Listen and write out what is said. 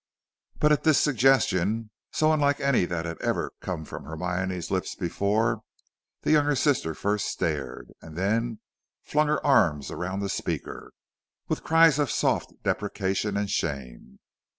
But at this suggestion, so unlike any that had ever come from Hermione's lips before, the younger sister first stared, and then flung her arms around the speaker, with cries of soft deprecation and shame.